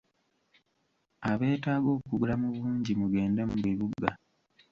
Abeetaaga okugula mu bungi mugende mu bibuga.